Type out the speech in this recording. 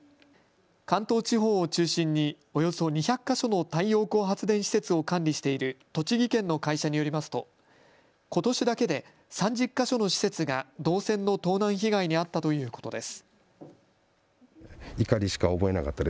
関東地方を中心におよそ２００か所の太陽光発電施設を管理している栃木県の会社によりますとことしだけで３０か所の施設が銅線の盗難被害に遭ったということです。